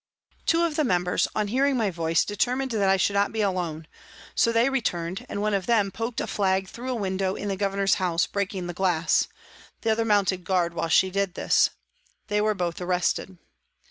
Two of the members, on hearing my voice, determined that I should not be alone, so they returned, and one of JANE WARTON 247 them poked a flag through a window in the Gover nor's house, breaking the glass ; the other mounted guard while she did this. They were both arrested.